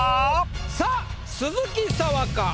さあ鈴木砂羽か？